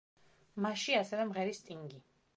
მასში ასევე მღერის სტინგი.